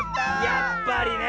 やっぱりねえ。